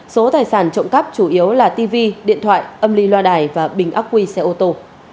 số tài sản trộm cắp chủ yếu là tv điện thoại âm ly loa đài và bình ác quy xe ô tô